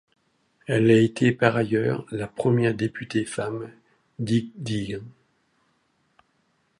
Elle a été par ailleurs la première députée femme d'Iğdır.